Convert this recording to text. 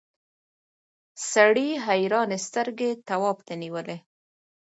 سړي حیرانې سترګې تواب ته نیولې.